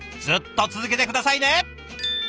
ずっと続けて下さいね。